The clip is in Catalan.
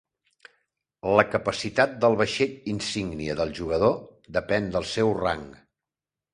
La capacitat del vaixell insígnia del jugador depèn del seu rang.